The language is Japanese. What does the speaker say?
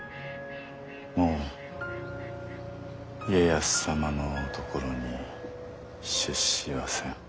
もう家康様のところに出仕はせん。